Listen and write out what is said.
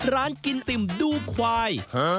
ร้านกินติ่มดูควาย